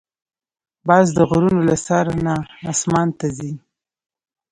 باز د غرونو له سر نه آسمان ته ځي